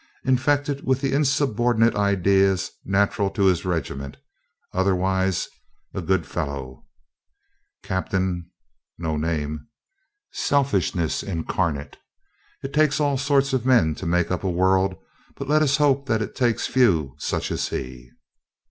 infected with the insubordinate ideas natural to his regiment; otherwise, a good fellow. Captain ,, selfishness incarnate. It takes all sorts of men to make up a world, but let us hope that it takes few such as he.